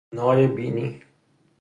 نای بینی